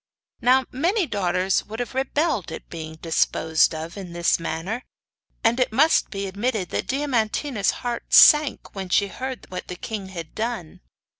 Now many daughters would have rebelled at being disposed of in the manner; and it must be admitted that Diamantina's heart sank when she heard what the king had done.